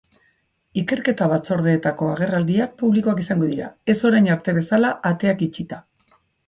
Ikerketa batzordeetako agerraldiak publikoak izango dira, ez orain arte bezala ateak itxita.